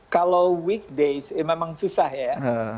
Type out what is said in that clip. kalau weekday memang susah ya